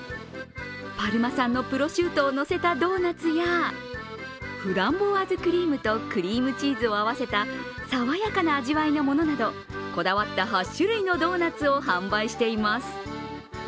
パルマ産のプロシュートをのせたドーナツやフランボワーズクリームとクリームチーズを合わせた爽やかな味わいのものなどこだわった８種類のドーナツを販売しています。